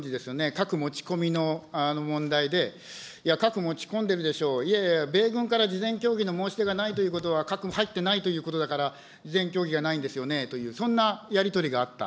核持ちこみのあの問題で、核持ち込んでるでしょ、いやいや、米軍から事前協議の申し出がないということは、核入ってないということだから、事前協議がないんですよねという、そんなやり取りがあった。